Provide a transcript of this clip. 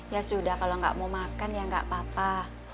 ya sudah kalau nggak mau makan ya nggak apa apa